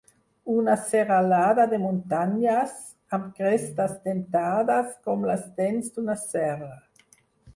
Una serralada de muntanyes (amb crestes dentades com les dents d'una serra)